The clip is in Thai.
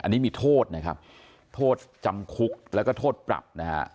อันนี้มีโทษนะครับโทษจำคุกแล้วก็โทษปรับนะฮะ